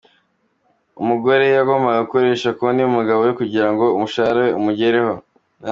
Umugore yagombaga gukoresha konti y’umugabo we kugira ngo umushahara we umugereho.